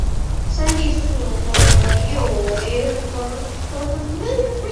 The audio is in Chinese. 山地树鼩为婆罗洲特有的树鼩属物种。